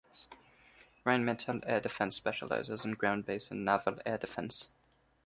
Rheinmetall Air Defence specializes in ground-based and naval air defence.